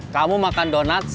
kamu makan donat